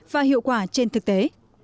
và hiệu quả trên thực tế